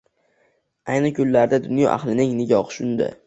Ayni kunlarda dunyo ahlining nigohi shunda.